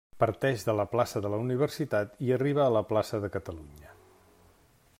Parteix de la plaça de la Universitat i arriba a la plaça de Catalunya.